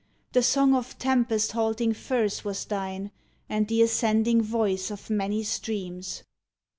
The song of tempest halting firs was thine, And the ascending voice of many streams.